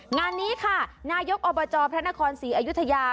งานนี้ค่ะนายกอบจพระนครศรีอยุธยา